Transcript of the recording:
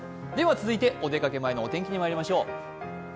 続いて、お出かけ前のお天気にまいりましょう。